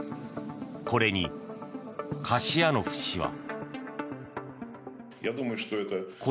これにカシヤノフ氏は。